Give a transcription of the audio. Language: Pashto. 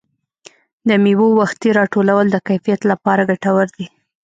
د مېوو وختي راټولول د کیفیت لپاره ګټور دي.